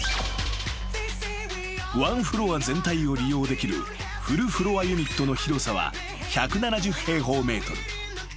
［ワンフロア全体を利用できるフルフロアユニットの広さは１７０平方ｍ］